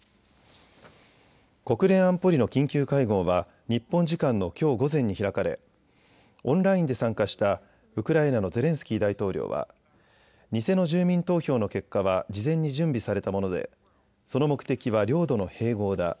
国連安保理の緊急会合は日本時間のきょう午前に開かれオンラインで参加したウクライナのゼレンスキー大統領は偽の住民投票の結果は事前に準備されたものでその目的は領土の併合だ。